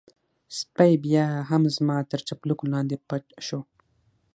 سپی بيا هم زما تر چپلکو لاندې پټ شو.